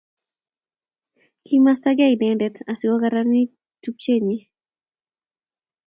kimasta gei inendet asikukararanit tupchenyin.